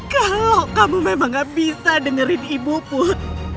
kalau kamu memang gak bisa dengerin ibu pun